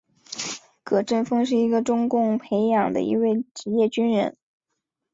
葛振峰是中共培养的一位职业军人。